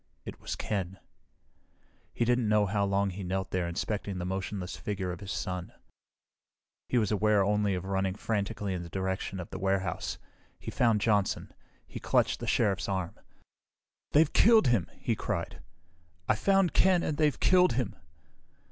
It was Ken. He didn't know how long he knelt there inspecting the motionless features of his son. He was aware only of running frantically in the direction of the warehouse. He found Johnson. He clutched the Sheriff's arm. "They've killed him!" he cried. "I found Ken and they've killed him!"